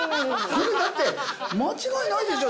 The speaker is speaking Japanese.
これだって間違いないでしょ